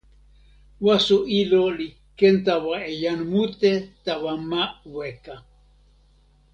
waso ilo li ken tawa e jan mute tawa ma weka.